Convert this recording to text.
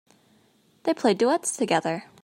They play duets together.